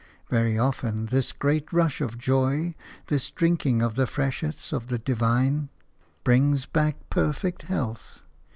Very often this great rush of joy, this drinking of the freshets of the divine, brings back perfect health.